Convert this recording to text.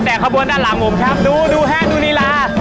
แต่ขบวนด้านหลังผมนะครับดูแฮนด์ดูนิลา